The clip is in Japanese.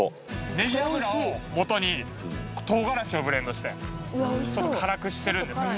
ねぎ油をもとに唐辛子をブレンドしてちょっと辛くしてるんですね